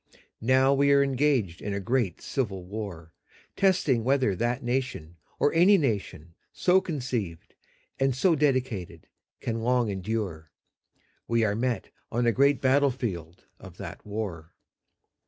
Now we are engaged in a great civil war. . .testing whether that nation, or any nation so conceived and so dedicated. .. can long endure. We are met on a great battlefield of that war.